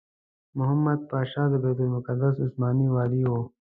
محمد پاشا د بیت المقدس عثماني والي وو.